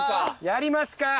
やりますか。